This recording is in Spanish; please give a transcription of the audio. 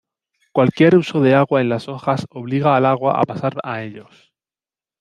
Cualquier uso de agua en las hojas obliga al agua a pasar a ellos.